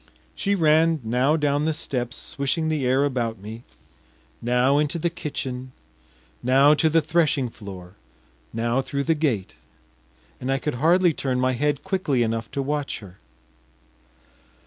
She ran now down the steps, swishing the air about me, now into the kitchen, now to the threshing floor, now through the gate, and I could hardly turn my head quickly enough to watch her.